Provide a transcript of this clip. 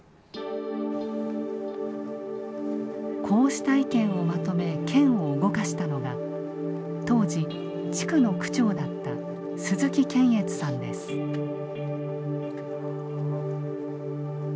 こうした意見をまとめ県を動かしたのが当時地区の区長だったカキ棚だなカキ。